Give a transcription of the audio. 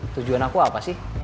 tujuan aku apa sih